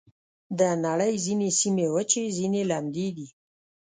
د نړۍ ځینې سیمې وچې، ځینې لمدې دي.